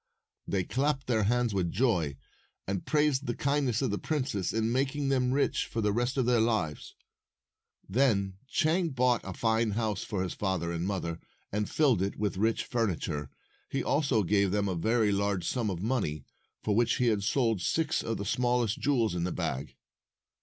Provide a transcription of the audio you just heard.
They clapped their hands with joy, and praised the kindness of the princess in making them rich for the rest of their lives. Then Chang bought a fine house for his father and mother, and filled it with rich furniture. He also gave them a very large sum of money, for which he had sold six of the smallest jewels in the bag.